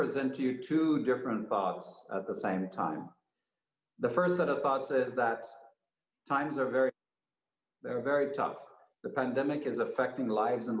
seorang rakan saya dia mengingatkan pandemi yang berlangsung